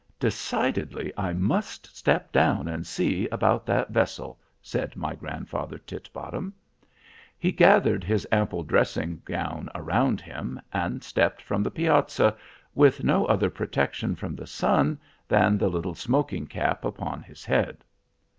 "'Decidedly I must step down and see about that vessel,' said my grandfather Titbottom. "He gathered his ample dressing gown about him, and stepped from the piazza with no other protection from the sun than the little smoking cap upon his head.